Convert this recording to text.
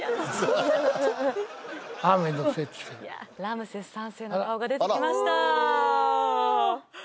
ラムセス３世の顔が出てきました。